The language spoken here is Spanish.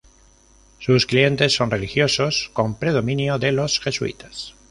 Sus clientes son religiosos, con predominio de los jesuitas.